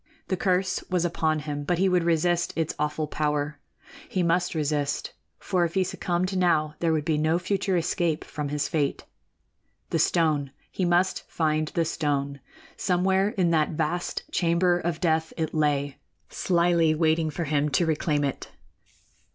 The curse was upon him, but he would resist its awful power. He must resist; for if he succumbed now, there would be no future escape from his fate. The stone he must find the stone! Somewhere in that vast chamber of death it lay, slyly waiting for him to reclaim it.